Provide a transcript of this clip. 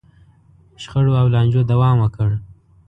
شخړو او لانجو دوام وکړ.